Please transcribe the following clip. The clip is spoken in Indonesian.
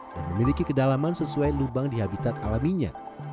dan memiliki kedalaman sesuai lubang di habitat alaminya